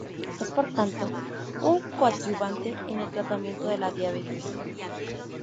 Es por tanto un coadyuvante en el tratamiento de la diabetes.